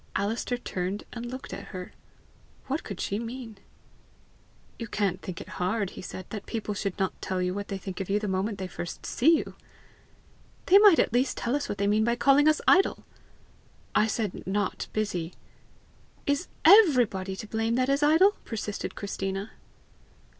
Alister turned and looked at her. What could she mean? "You can't think it hard," he said, "that people should not tell you what they think of you the moment they first see you!" "They might at least tell us what they mean by calling us idle!" "I said NOT BUSY." "Is EVERYBODY to blame that is idle?" persisted Christina.